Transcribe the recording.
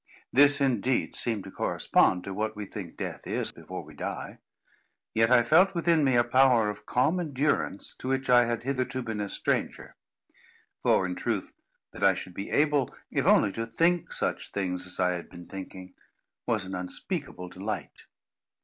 This, indeed, seemed to correspond to what we think death is, before we die. Yet I felt within me a power of calm endurance to which I had hitherto been a stranger. For, in truth, that I should be able if only to think such things as I had been thinking, was an unspeakable delight.